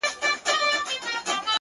له حورو نه تېرېږم او وتاته درېږم”